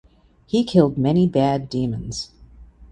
He killed many bad demons.